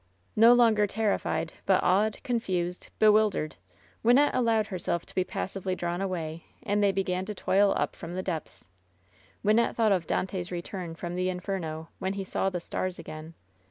No longer terrified, but awed, confused, bewildered, Wynnette allowed herself to be passively drawn away, and they began to toil up from the depths. Wynnette thought of Dante's return from the Inferno, when he "saw the stars again."